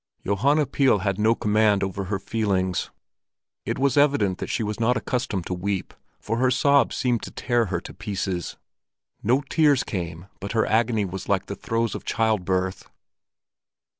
Johanna Pihl had no command over her feelings. It was evident that she was not accustomed to weep, for her sobs seemed to tear her to pieces. No tears came, but her agony was like the throes of child birth.